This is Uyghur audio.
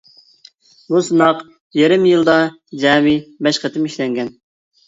بۇ سىناق يېرىم يىلدا جەمئىي بەش قېتىم ئىشلەنگەن.